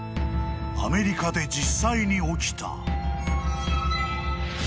［アメリカで実際に起きた］